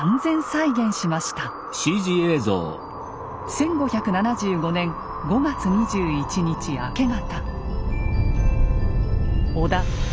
１５７５年５月２１日明け方。